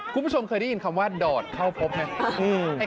คุณผู้ชมเคยได้ยินคำว่าดอดเข้าพบไหม